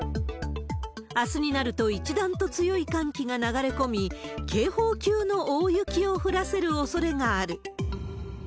あすになると一段と強い寒気が流れ込み、警報級の大雪を降らせるおそれがある。